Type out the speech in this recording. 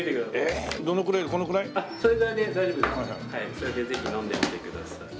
それでぜひ飲んでみてください。